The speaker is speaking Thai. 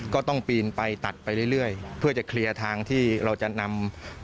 ก็ต้องปีนไปตัดไปเรื่อยเพื่อจะเคลียร์ทางที่เราจะนำ